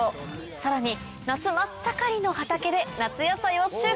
さらに夏真っ盛りの畑で夏野菜を収穫。